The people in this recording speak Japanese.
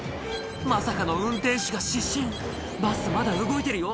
まさかの運転手が失神バスまだ動いてるよ